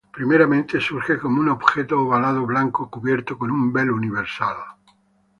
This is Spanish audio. Primeramente, surge como un objeto ovalado blanco cubierto con un velo universal.